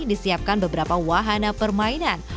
disiapkan beberapa wahana permainan